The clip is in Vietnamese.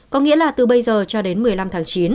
có nghĩa là từ bây giờ cho đến một mươi năm tháng chín